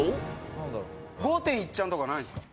５．１ｃｈとかないんですか？